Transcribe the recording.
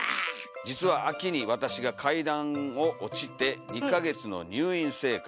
「実は秋に私が階段を落ちて二ヶ月の入院生活」。